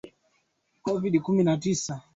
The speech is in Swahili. Ngoma hizo huchezwa watu wakiwa wamevaa nguo za asili